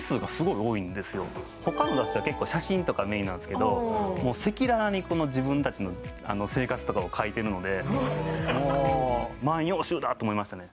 他の雑誌は結構写真とかメインなんですけど赤裸々に自分たちの生活とかを書いてるのでもう。